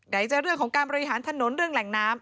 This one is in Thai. จะเรื่องของการบริหารถนนเรื่องแหล่งน้ำ